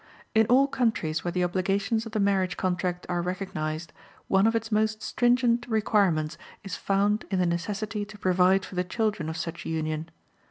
In all countries where the obligations of the marriage contract are recognized, one of its most stringent requirements is found in the necessity to provide for the children of such union.